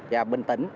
và bình tĩnh